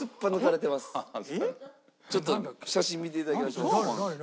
ちょっと写真見ていただきましょう。